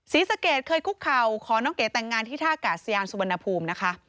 ศรีสะเกดเคยคุกเข่าขอน้องเก๋แต่งงานที่ท่ากาศยานสุวรรณภูมินะคะ